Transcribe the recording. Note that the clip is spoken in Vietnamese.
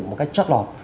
một cách chắc lọt